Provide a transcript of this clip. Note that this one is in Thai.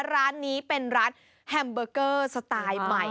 ร้านนี้เป็นร้านแฮมเบอร์เกอร์สไตล์ใหม่